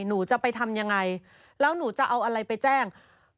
หนูจะไปทำยังไงแล้วหนูจะเอาอะไรไปแจ้ง